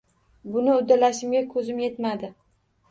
Buni uddalashimga ko‘zim yetmadi.